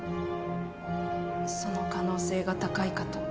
その可能性が高いかと。